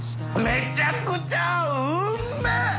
めちゃくちゃうめぇ！